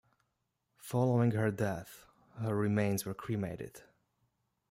Following her death, her remains were cremated.